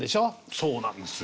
そうなんですよ。